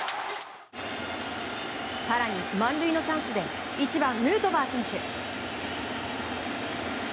更に、満塁のチャンスで１番ヌートバー選手。